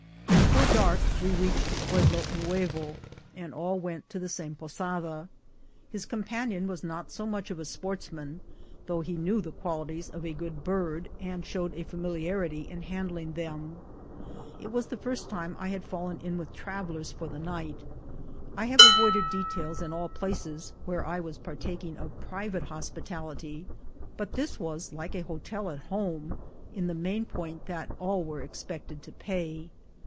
Before dark we reached Pueblo Nuevo, and all went to the same posada. His companion was not so much of a sportsman, though he knew the qualities of a good bird, and showed a familiarity in handling them. It was the first time I had fallen in with travellers for the night. I have avoided details in all places where I was partaking of private hospitality, but this was like a ho tel at home, in the main point that all were expected to pay.